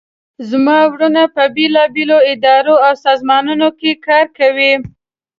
زما وروڼه په بیلابیلو اداراو او سازمانونو کې کار کوي